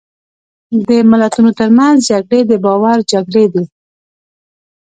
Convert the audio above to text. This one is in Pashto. د ملتونو ترمنځ جګړې د باور جګړې دي.